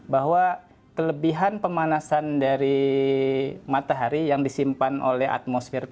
bahwa kelebihan pemanasan dari matahari yang disimpan oleh atmosfer